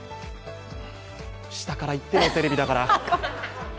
下からいってよ、テレビだから。